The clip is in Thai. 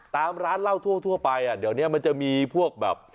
ตามร้านเหล้าทั่วไปเดี๋ยวนี้มันจะมีพวกแบบ